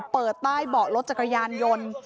เปิดใต้เบาะรถจักรยานยนต์